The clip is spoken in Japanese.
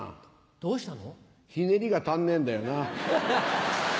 どうしたの？